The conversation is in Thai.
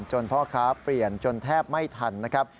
พ่อค้าเปลี่ยนจนแทบไม่ทันนะครับ